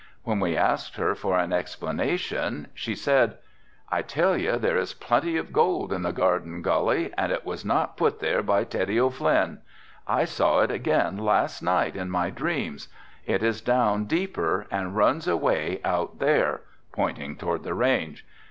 When we asked her for an explanation she said: "I tell you there is plenty of gold in the Garden Gully and it was not put there by Teddy O'Flynn. I saw it again last night in my dreams. It is down deeper and runs away out there," pointing toward the range.